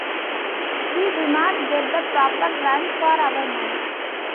We do not get the proper run for our money.